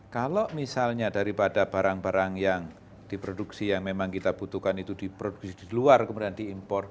kalau misalnya daripada barang barang yang diproduksi yang memang kita butuhkan itu diproduksi di luar kemudian diimpor